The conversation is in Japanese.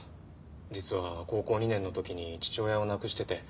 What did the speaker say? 実は高校２年の時に父親を亡くしてて。